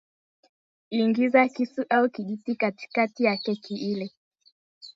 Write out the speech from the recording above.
Ingiza kisu au kijiti katikati ya keki ili